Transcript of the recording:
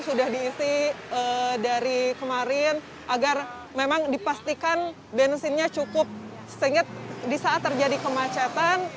sudah diisi dari kemarin agar memang dipastikan bensinnya cukup sehingga di saat terjadi kemacetan